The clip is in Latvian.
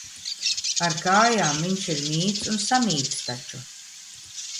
Ar kājām viņš ir mīts un samīts taču.